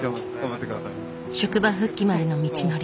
職場復帰までの道のり。